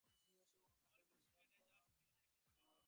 এমন কোন বিষয়ই নাই, যাহা সকলকে সমভাবে সুখ দিতেছে।